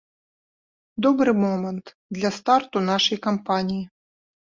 Добры момант для старту нашай кампаніі!